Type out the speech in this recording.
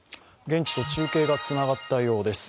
現地と中継がつながったようです。